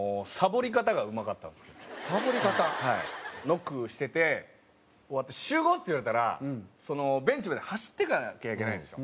ノックしてて終わって「集合！」って言われたらベンチまで走っていかなきゃいけないんですよ。